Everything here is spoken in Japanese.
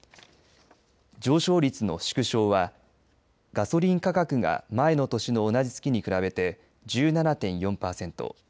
上昇率の縮小はガソリン価格が前の年の同じ月に比べて１７．４パーセント。